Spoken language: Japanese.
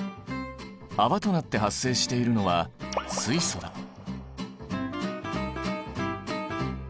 泡となって発生しているのは水素だ。